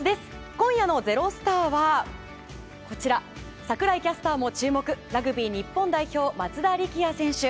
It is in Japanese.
今夜の「＃ｚｅｒｏｓｔａｒ」は櫻井キャスターも注目ラグビー日本代表松田力也選手。